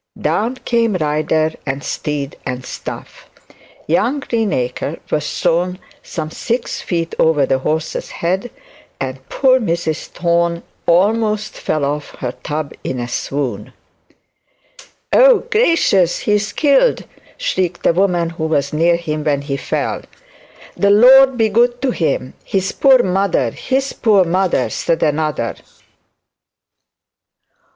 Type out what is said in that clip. Down came the rider and steed and staff. Young Greenacre was thrown some six feet over the horse's head, and poor Miss Thorne almost fell of her tub in a swoon. 'Oh gracious, he's killed,' shrieked a woman, who was near him when he fell. 'The Lord be good to him! his poor mother, his poor mother!' said another.